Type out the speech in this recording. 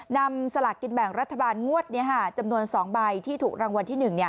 นำสลากกินแบ่งรัฐบาลงวดนี้จำนวน๒ใบที่ถูกรางวัลที่๑